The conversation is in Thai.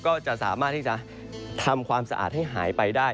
ก็จะสามารถที่จะทำความสะอาดให้หายไปได้